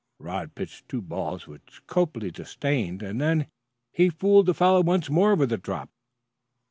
Rod pitched two balls which Copley disdained, and then he fooled the fellow once more with a drop.